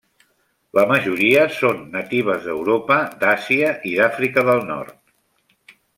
La majoria són natives d'Europa, d'Àsia i d'Àfrica del Nord.